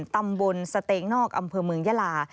ตำบลสเตงนอกอำเภอเมืองยาลา